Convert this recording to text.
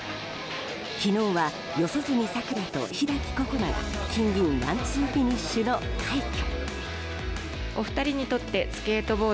昨日は四十住さくらと開心那が金銀ワンツーフィニッシュの快挙。